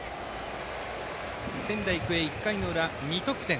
仙台育英、１回裏に２得点。